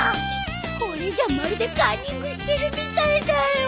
これじゃまるでカンニングしてるみたいだよ